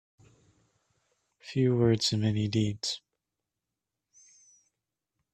Few words and many deeds.